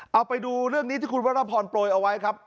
เอาไปดูเรื่องนี้ที่คุณวรพรโปรยเอาไว้ครับ